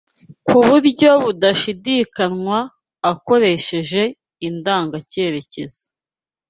ku buryo budashidikanywa akoresheje indanga-cyerekezo